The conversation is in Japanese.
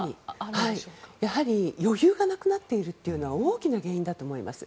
まさに、余裕がなくなっているというのは大きな原因だと思います。